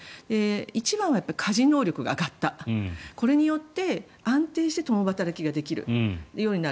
１番は家事能力が上がったこれによって安定して共働きができるようになる。